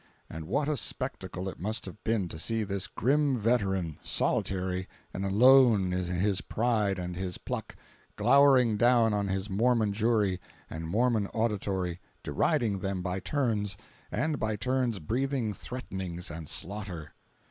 And what a spectacle it must have been to see this grim veteran, solitary and alone in his pride and his pluck, glowering down on his Mormon jury and Mormon auditory, deriding them by turns, and by turns "breathing threatenings and slaughter!"